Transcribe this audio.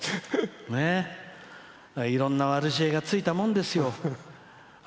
いろんな悪知恵がついたもんですよ。